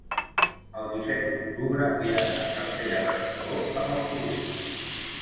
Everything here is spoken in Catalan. el disset d'octubre he d'anar a Sant Pere Pescador amb autobús.